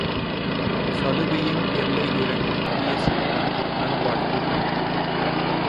சலுகையின் எல்லை இரண்டு இனிய செல்வ, நல்வாழ்த்துக்கள்!